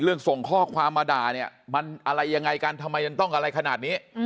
ส่งข้อความมาด่าเนี่ยมันอะไรยังไงกันทำไมยังต้องอะไรขนาดนี้